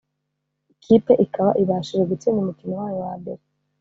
ikipe ikaba ibashije gutsinda umukino wayo wa mbere